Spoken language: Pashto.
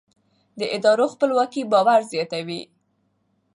د ادارو خپلواکي باور زیاتوي